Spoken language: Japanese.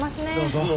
どうぞ。